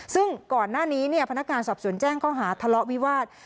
ซึ่งก่อนหน้านี้พนักงานสอบสวนแจ้งข้อหาทะเลาะวิวาส